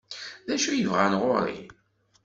D acu ay bɣan ɣer-i?